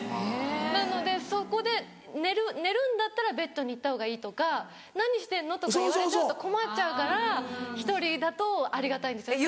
なので「そこで寝るんだったらベッドに行ったほうがいい」とか「何してんの？」とか言われちゃうと困っちゃうから１人だとありがたいんですよ。